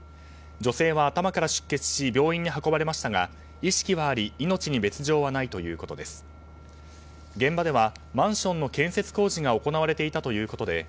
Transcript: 女性は頭から出血し病院に運ばれましたが意識はあり命に別条はないということです。